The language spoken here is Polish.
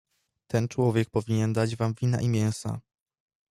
"Ten człowiek powinien dać wam wina i mięsa."